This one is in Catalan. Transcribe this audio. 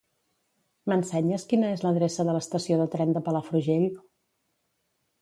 M'ensenyes quina és l'adreça de l'estació de tren de Palafrugell?